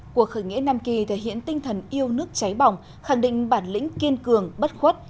cuộc khởi nghĩa nam kỳ thể hiện tinh thần yêu nước cháy bỏng khẳng định bản lĩnh kiên cường bất khuất